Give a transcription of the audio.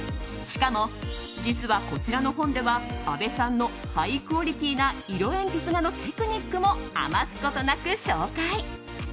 しかも、実はこちらの本では安部さんのハイクオリティーな色鉛筆画のテクニックも余すことなく紹介。